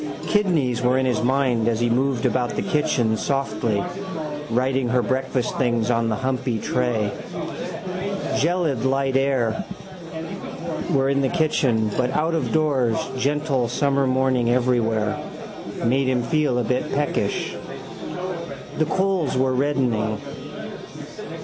Kidneys were in his mind as he moved about the kitchen softly, righting her breakfast things on the humpy tray. Gelid light and air were in the kitchen but out of doors gentle summer morning everywhere. Made him feel a bit peckish. The coals were reddening.